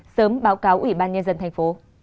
sớm báo cáo ubnd tp